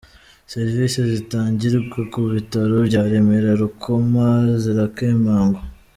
Serivisi zitangirwa ku bitaro bya Remera Rukoma zirakemangwa